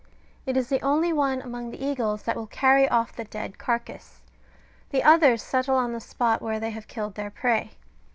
It is the only one among the eagles that will carry off the dead carcase ; the others settle on the spot where they have killed their prey.